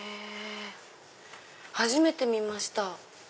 初めて見ました。